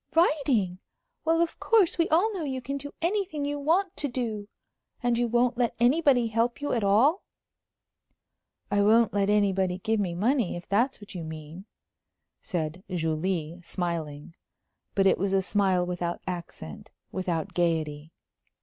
"Writing! Well, of course, we all know you can do anything you want to do. And you won't let anybody help you at all?" "I won't let anybody give me money, if that's what you mean," said Julie, smiling. But it was a smile without accent, without gayety.